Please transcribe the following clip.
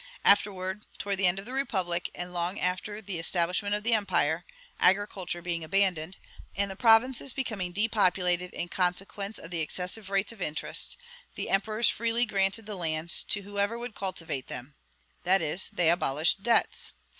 Afterwards, towards the end of the republic, and long after the establishment of the empire, agriculture being abandoned, and the provinces becoming depopulated in consequence of the excessive rates of interest, the emperors freely granted the lands to whoever would cultivate them, that is, they abolished debts.